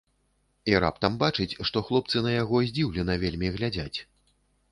І раптам бачыць, што хлопцы на яго здзіўлена вельмі глядзяць.